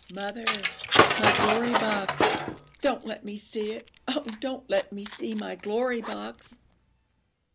'Mother, my Glory Box! Don't let me see it! Oh, don't let me see my Glory Box!'